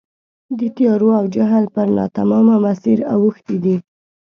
د تیارو او جهل پر ناتمامه مسیر اوښتي دي.